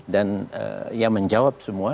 dan ya menjawab semua